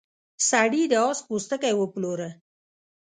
سړي د اس پوستکی وپلوره.